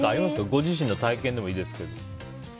ご自身の体験でもいいけど。